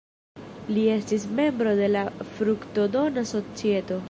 Li estis membro de la Fruktodona Societo.